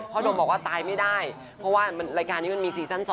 โดมบอกว่าตายไม่ได้เพราะว่ารายการนี้มันมีซีซั่น๒